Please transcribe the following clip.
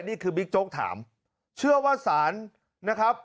นี่คือบิ๊กโจ๊กถามเชื่อว่าสารนะครับ